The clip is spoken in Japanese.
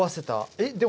えっ！？